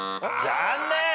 残念。